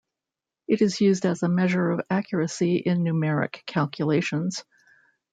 It is used as a measure of accuracy in numeric calculations.